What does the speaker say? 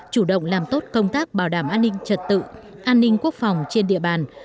chủ động làm tốt công tác bảo đảm an ninh trật tự an ninh quốc phòng trên địa bàn